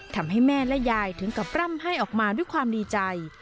ทำให้แม่และยายถึงกับร่ำไห้ออกมาด้วยความดีใจ